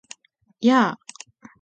やー！！！